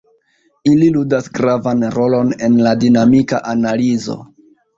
Ili ludas gravan rolon en la dinamika analizo.